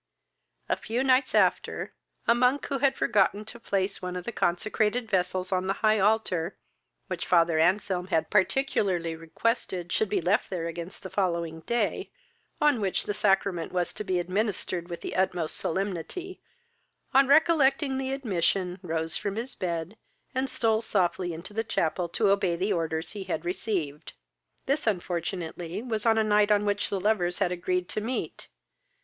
A few nights after, a monk, who had forgotten to place one of the consecrated vessels on the high altar, which father Anselm had particularly requested should be left there against the following day, on which the sacrament was to be administered with the utmost solemnity, on recollecting the omission, rose from his bed, and stole softly into the chapel to obey the orders he had received. This unfortunately was a night on which the lovers had agreed to meet.